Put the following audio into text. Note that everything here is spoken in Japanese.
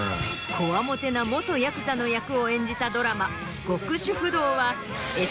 こわもてな元ヤクザの役を演じた。